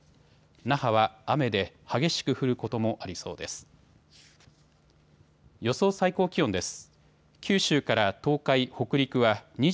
那覇は雨で激しく降ることもありそうです。